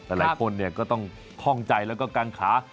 แต่หลายคนก็ต้องคล่องใจแล้วก็กังขา